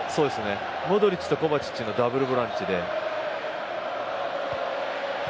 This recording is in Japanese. モドリッチとコヴァチッチのダブルボランチで。